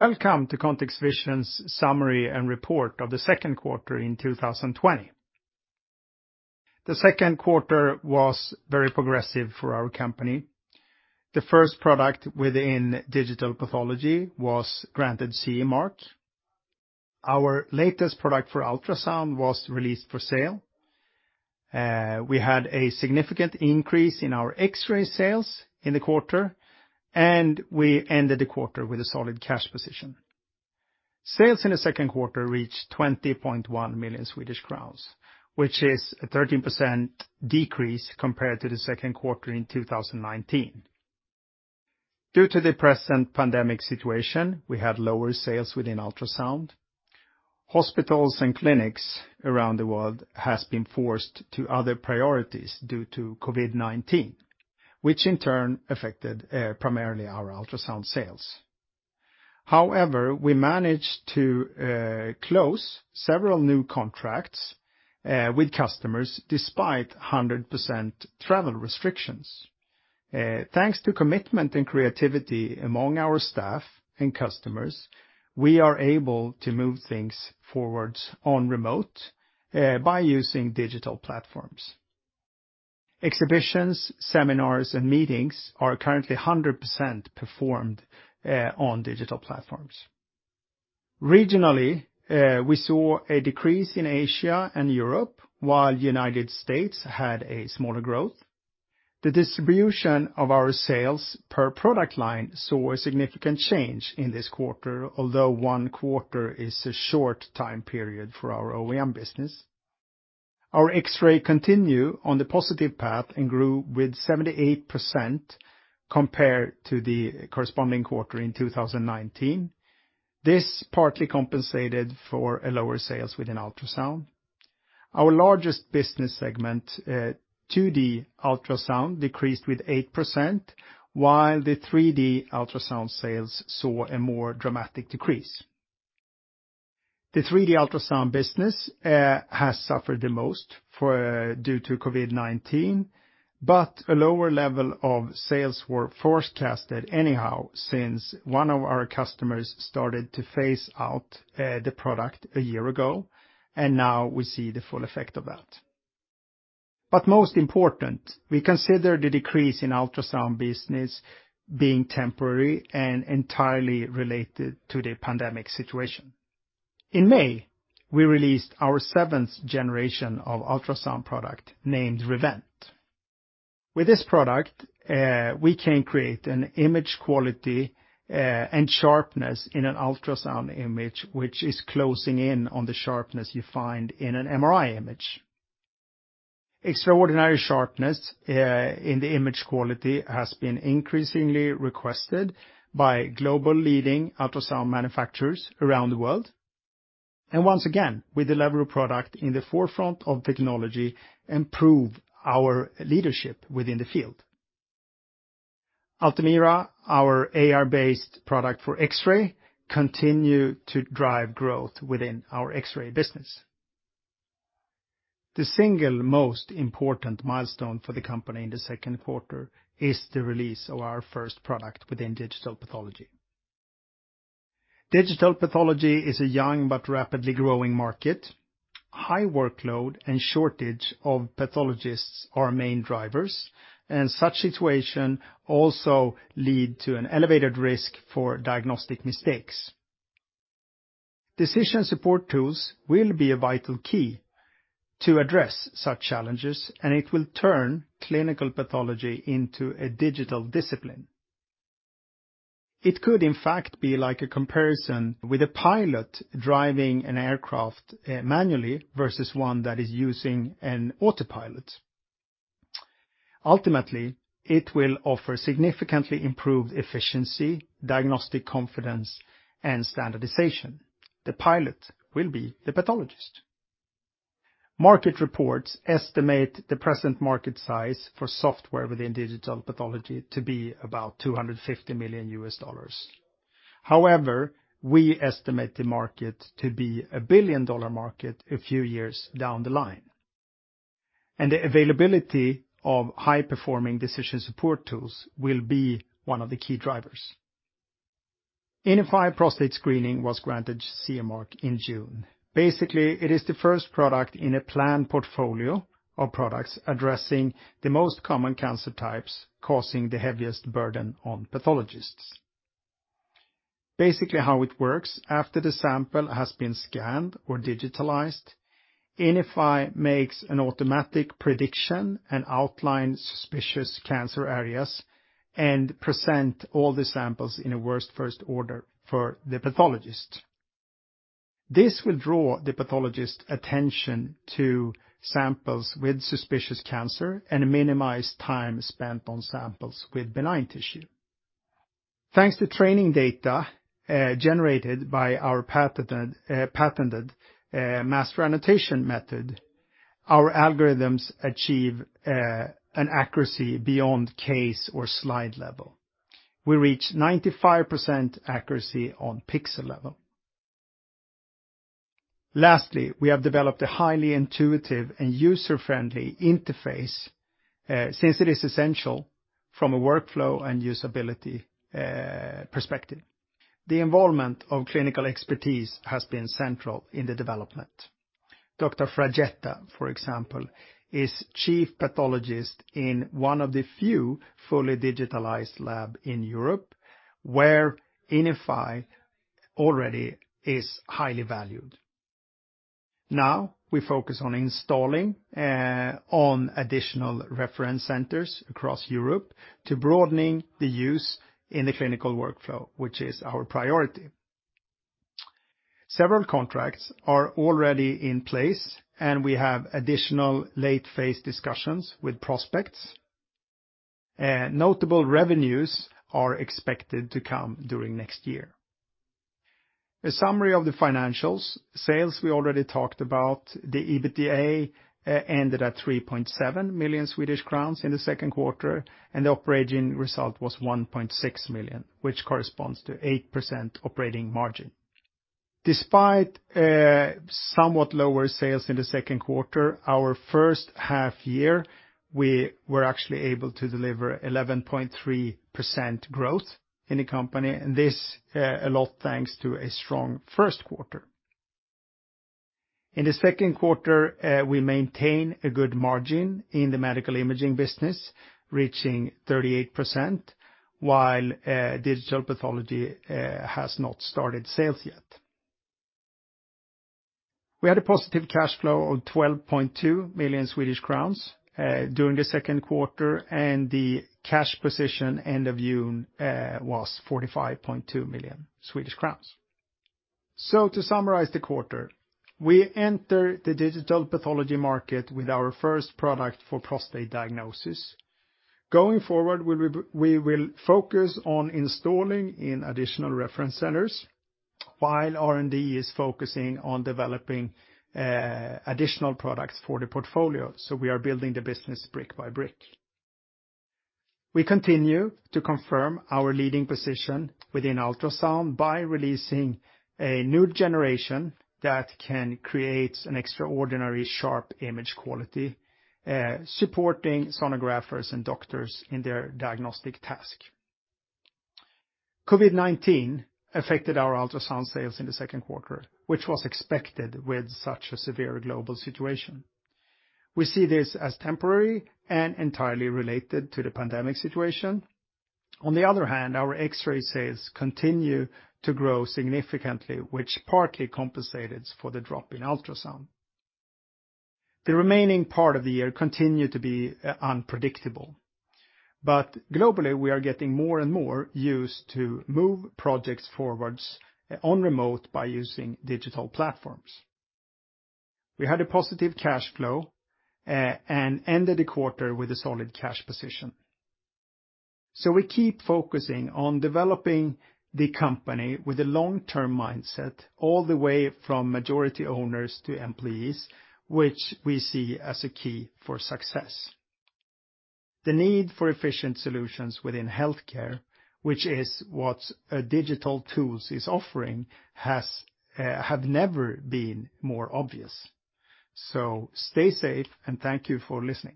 Welcome to ContextVision's summary and report of the second quarter in 2020. The second quarter was very progressive for our company. The first product within digital pathology was granted a CE mark. Our latest product for ultrasound was released for sale. We had a significant increase in our X-ray sales in the quarter, and we ended the quarter with a solid cash position. Sales in the second quarter reached 20.1 million Swedish crowns, which is a 13% decrease compared to the second quarter in 2019. Due to the present pandemic situation, we had lower sales of ultrasound. Hospitals and clinics around the world have been forced to defer other priorities due to COVID-19, which in turn affected primarily our ultrasound sales. However, we managed to close several new contracts with customers despite 100% travel restrictions. Thanks to commitment and creativity among our staff and customers, we are able to move things forward on remote by using digital platforms. Exhibitions, seminars, and meetings are currently 100% performed on digital platforms. Regionally, we saw a decrease in Asia and Europe, while the United States had smaller growth. The distribution of our sales per product line saw a significant change in this quarter, although one quarter is a short time period for our OEM business. Our X-ray continued on the positive path and grew by 78% compared to the corresponding quarter in 2019. This partly compensated for lower sales within ultrasound. Our largest business segment, 2D ultrasound, decreased by 8%, while the 3D ultrasound sales saw a more dramatic decrease. The 3D ultrasound business has suffered the most due to COVID-19, a lower level of sales was forecasted anyhow since one of our customers started to phase out the product a year ago, and now we see the full effect of that. Most important, we consider the decrease in ultrasound business being temporary and entirely related to the pandemic situation. In May, we released our seventh generation of ultrasound product, named Rivent. With this product, we can create image quality and sharpness in an ultrasound image, which is closing in on the sharpness you find in an MRI image. Extraordinary sharpness in the image quality has been increasingly requested by global leading ultrasound manufacturers around the world. Once again, with the level of product in the forefront of technology, improve our leadership within the field. Altumira, our AI-based product for X-ray, continues to drive growth within our X-ray business. The single most important milestone for the company in the second quarter is the release of our first product within digital pathology. Digital pathology is a young but rapidly growing market. High workload and shortage of pathologists are main drivers, and such a situation also leads to an elevated risk for diagnostic mistakes. Decision support tools will be a vital key to addressing such challenges, and they will turn clinical pathology into a digital discipline. It could, in fact, be like a comparison with a pilot driving an aircraft manually versus one that is using an autopilot. Ultimately, it will offer significantly improved efficiency, diagnostic confidence, and standardization. The pilot will be the pathologist. Market reports estimate the present market size for software within digital pathology to be about $250 million. However, we estimate the market to be a billion-dollar market a few years down the line. The availability of high-performing decision support tools will be one of the key drivers. INIFY Prostate Screening was granted a CE mark in June. Basically, it is the first product in a planned portfolio of products addressing the most common cancer types causing the heaviest burden on pathologists. Basically how it works is after the sample has been scanned or digitalized, INIFY makes an automatic prediction and outlines suspicious cancer areas and presents all the samples in a worst-first order for the pathologist. This will draw the pathologist's attention to samples with suspicious cancer and minimize time spent on samples with benign tissue. Thanks to training data generated by our patented Master Annotation method, our algorithms achieve an accuracy beyond case or slide level. We reach 95% accuracy on the pixel level. Lastly, we have developed a highly intuitive and user-friendly interface, since it is essential from a workflow and usability perspective. The involvement of clinical expertise has been central in the development. Dr.Fraggetta, for example, is chief pathologist in one of the few fully digitalized labs in Europe, where INIFY already is highly valued. Now, we focus on installing additional reference centers across Europe to broaden the use in the clinical workflow, which is our priority. Several contracts are already in place, and we have additional late-phase discussions with prospects. Notable revenues are expected to come during next year. A summary of the financials. Sales we already talked about. The EBITDA ended at 3.7 million Swedish crowns in the second quarter, and the operating result was 1.6 million, which corresponds to 8% operating margin. Despite somewhat lower sales in the second quarter, our first half-year, we were actually able to deliver 11.3% growth in the company, thanks a lot to a strong first quarter. In the second quarter, we maintain a good margin in the medical imaging business, reaching 38%, while digital pathology has not started sales yet. We had a positive cash flow of 12.2 million Swedish crowns during the second quarter, the cash position at the end of June was 45.2 million Swedish crowns. To summarize the quarter, we enter the digital pathology market with our first product for prostate diagnosis. Going forward, we will focus on installing additional reference centers while R&D is focusing on developing additional products for the portfolio. We are building the business brick by brick. We continue to confirm our leading position within ultrasound by releasing a new generation that can create extraordinarily sharp image quality, supporting sonographers and doctors in their diagnostic task. COVID-19 affected our ultrasound sales in the second quarter, which was expected with such a severe global situation. We see this as temporary and entirely related to the pandemic situation. On the other hand, our X-ray sales continue to grow significantly, which partly compensated for the drop in ultrasound. The remaining part of the year continued to be unpredictable. Globally, we are getting more and more used to moving projects forward remotely by using digital platforms. We had a positive cash flow and ended the quarter with a solid cash position. We keep focusing on developing the company with a long-term mindset all the way from majority owners to employees, which we see as a key for success. The need for efficient solutions within healthcare, which is what digital tools are offering, has never been more obvious. Stay safe, and thank you for listening.